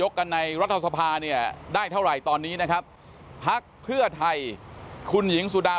กรกตกลางได้รับรายงานผลนับคะแนนจากทั่วประเทศมาแล้วร้อยละ๔๕๕๔พักการเมืองที่มีแคนดิเดตนายกคนสำคัญ